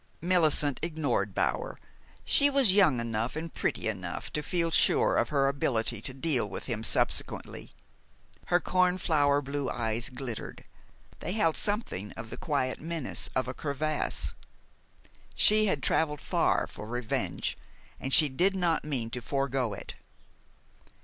Millicent ignored Bower. She was young enough and pretty enough to feel sure of her ability to deal with him subsequently. Her cornflower blue eyes glittered. They held something of the quiet menace of a crevasse. She had traveled far for revenge, and she did not mean to forego it.